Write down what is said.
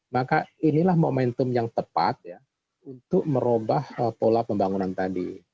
maka inilah momentum yang tepat ya untuk merubah pola pembangunan tadi